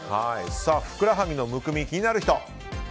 ふくらはぎのむくみ気になる人？